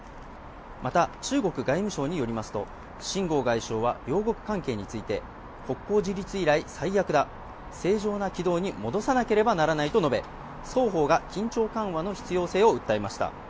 また、中国外務省によりますと、秦剛外相は両国関係について国交樹立以来最悪だ正常な軌道に戻さなければならないと述べ、双方が緊張緩和の必要性を訴えました。